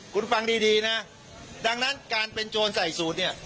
คุณฟังดีดีนะดังนั้นการเป็นโจรใส่สูตรเนี่ย